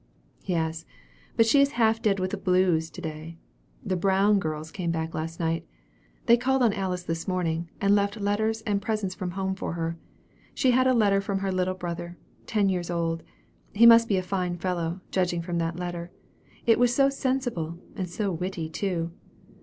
"Yes; but she is half dead with the blues, to day. The Brown girls came back last night. They called on Alice this morning, and left letters and presents from home for her. She had a letter from her little brother, ten years old. He must be a fine fellow, judging from that letter, it was so sensible, and so witty too!